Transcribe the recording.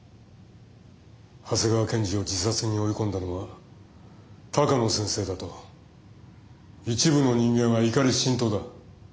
長谷川検事を自殺に追い込んだのは鷹野先生だと一部の人間は怒り心頭だ。